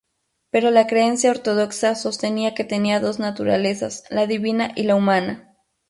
Pero la creencia ortodoxa sostenía que tenía dos naturalezas: la divina y la humana.